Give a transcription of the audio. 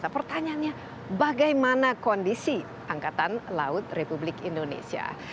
pertanyaannya bagaimana kondisi angkatan laut republik indonesia